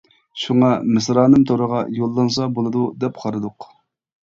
شۇڭا مىسرانىم تورىغا يوللانسا بولىدۇ دەپ قارىدۇق.